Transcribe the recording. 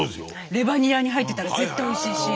レバニラに入ってたら絶対おいしいし。